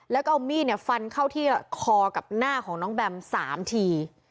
แล้วก็เอามีดฟันเข้าที่คอกับหน้าของน้องแบม๓ที